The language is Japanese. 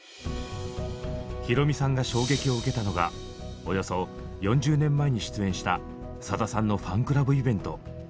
宏美さんが衝撃を受けたのがおよそ４０年前に出演したさださんのファンクラブイベント。